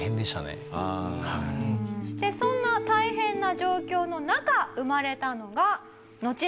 そんな大変な状況の中生まれたのが。